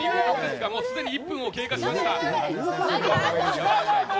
既に１分を経過しました。